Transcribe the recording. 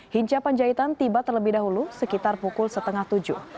hinca panjaitan tiba terlebih dahulu sekitar pukul setengah tujuh